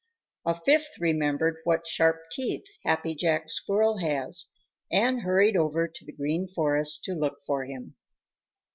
A fifth remembered what sharp teeth Happy Jack Squirrel has and hurried over to the Green Forest to look for him.